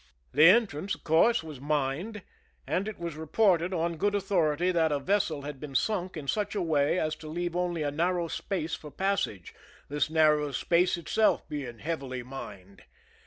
The en trance, of course, was mined, and it was reported, on good authority, that a vessel had been sunk in such a way as to leave only a narrow space for passage, this narrow space itself being heavily mined.